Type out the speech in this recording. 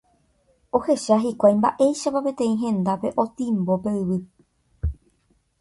Ohecha hikuái mba'éichapa peteĩ hendápe otimbo pe yvy.